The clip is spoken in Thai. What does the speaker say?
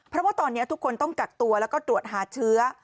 เพราะว่าตอนนี้ทุกคนต้องกักตัวแล้วก็ตรวจหาเชื้อ